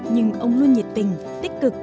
nhưng ông luôn nhiệt tình tích cực